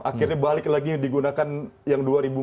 akhirnya balik lagi digunakan yang dua ribu empat belas